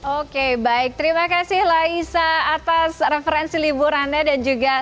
oke baik terima kasih laisa atas referensi liburannya dan juga